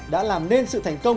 đã làm nên sự thành công